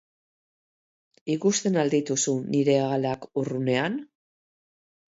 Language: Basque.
Ikusten al dituzu nire hegalak urrunean?